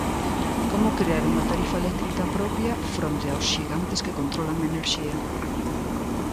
Como crear unha tarifa eléctrica propia fronte aos xigantes que controlan a enerxía?